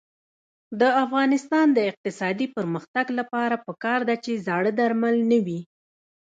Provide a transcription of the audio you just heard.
د افغانستان د اقتصادي پرمختګ لپاره پکار ده چې زاړه درمل نه وي.